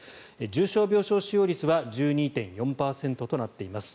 重症病床使用率は１２．４％となっています。